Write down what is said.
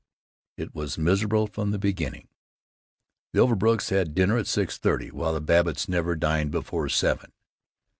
It was miserable from the beginning. The Overbrooks had dinner at six thirty, while the Babbitts never dined before seven.